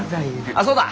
あっそうだ。